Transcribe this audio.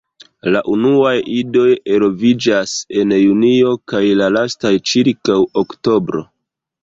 La unuaj idoj eloviĝas en Junio kaj la lastaj ĉirkaŭ Oktobro.